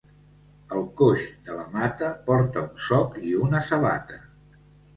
El coix de la Mata porta un soc i una sabata.